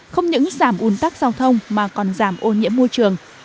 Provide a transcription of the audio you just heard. không những giảm un tắc giao thông mà còn giảm ô nhiễm môi trường